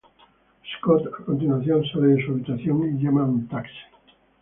Scott, a continuación, sale de su habitación y llama a un taxi.